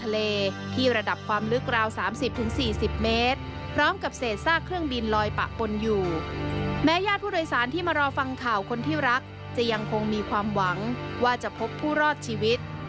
ญาติผู้โดยสารที่มารอฟังข่าวคนที่รักจะยังคงมีความหวังว่าจะพบผู้รอดชีวิต